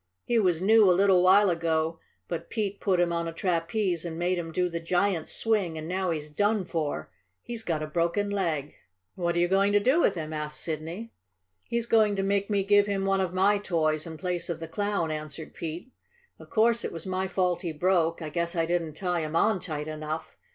"He was new a little while ago, but Pete put him on a trapeze and made him do the giant's swing and now he's done for he's got a broken leg." "What are you going to do with him?" asked Sidney. "He's going to make me give him one of my toys in place of the Clown," answered Pete. "Of course it was my fault he broke I guess I didn't tie him on tight enough.